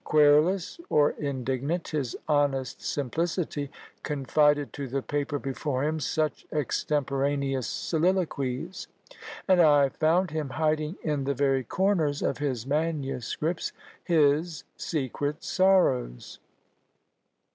Querulous or indignant, his honest simplicity confided to the paper before him such extemporaneous soliloquies, and I have found him hiding in the very corners of his manuscripts his "secret sorrows."